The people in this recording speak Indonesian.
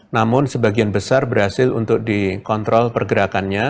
namun sebagian besar berhasil untuk dikontrol pergerakannya